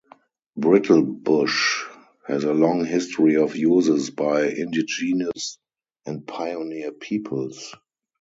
Brittlebush has a long history of uses by indigenous and pioneer peoples.